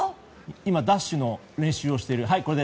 今、ダッシュの練習をしている。